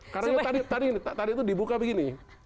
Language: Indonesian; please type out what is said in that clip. karena tadi itu dibuka begini